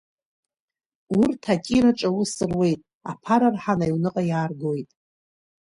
Урҭ атираҿ аус руеит, аԥара рҳаны аҩныҟа иааргоит.